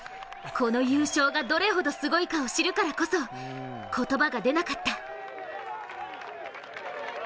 この優勝がどれほどすごいかを知るからこそ、言葉が出なかった。